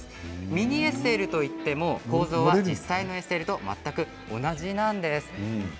ミニＳＬといっても構造は実際のＳＬと全く同じなんです。